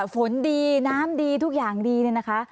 ฝนดีน้ำดีทุกอย่างดีเนี่ยนะคะ